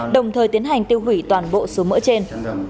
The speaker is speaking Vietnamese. đồng thời tiến hành tiêu hủy toàn bộ số mỡ trên